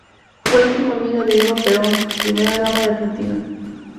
Fue íntima amiga de Eva Perón, primera dama de Argentina.